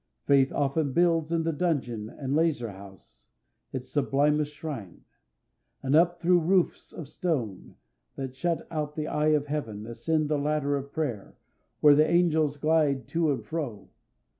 Faith often builds in the dungeon and lazar house its sublimest shrine, and up through roofs of stone, that shut out the eye of heaven, ascends the ladder of prayer, where the angels glide to and fro.